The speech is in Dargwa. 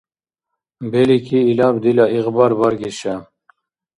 Белики, илаб дила игъбар баргиша?